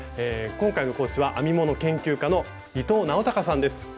今回の講師は編み物研究家の伊藤直孝さんです。